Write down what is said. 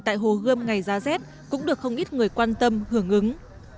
đơn giản là chụp ảnh tại hồ gươm ngày ra rét cũng được không ít người quan tâm hưởng ứng